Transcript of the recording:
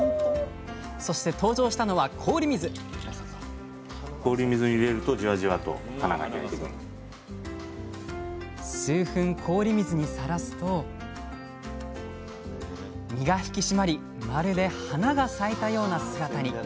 そして登場したのは氷水数分氷水にさらすと身が引き締まりまるで花が咲いたような姿に！